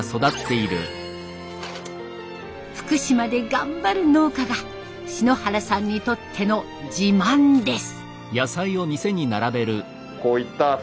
福島で頑張る農家が篠原さんにとっての自慢です。